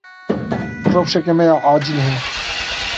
Rewşeke me ya acîl heye.